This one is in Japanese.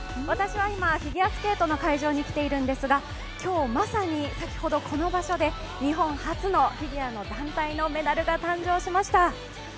私は今、フィギュアスケートの会場に来ているのですが、今日、まさに先ほどこの場所で日本初のフィギュアの団体のメダルが誕生しました。